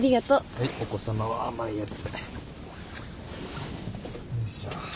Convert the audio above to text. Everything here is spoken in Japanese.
はいお子様は甘いやつ。